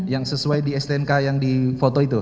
yang sesuai di stnk yang di foto itu